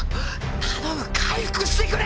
頼む回復してくれ。